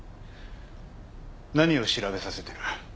何を調べさせてる？